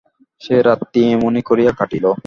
সে রাত্রি এমনি করিয়া কাটিল।